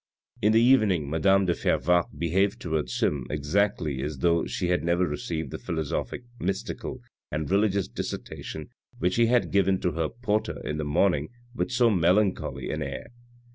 In the evening madame de Fervaques behaved towards him, exactly as though she had never received the philosophic mystical and religious dissertation which he had given to her porter in the morning with so melancholy an air.